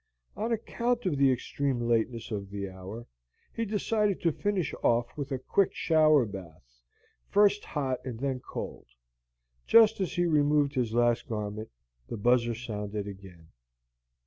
On account of the extreme lateness of the hour, he decided to finish off with a quick shower bath, first hot and then cold. Just as he removed his last garment, the buzzer sounded again.